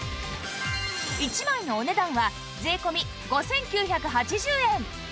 １枚のお値段は税込５９８０円